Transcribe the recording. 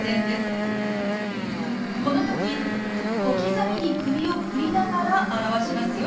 この時小刻みに首を振りながら表しますよ。